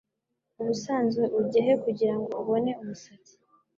Ubusanzwe ujya he kugirango ubone umusatsi?